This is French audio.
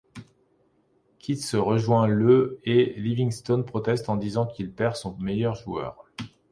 Keats rejoint le et Livingstone proteste en disant qu'il perd son meilleur joueur.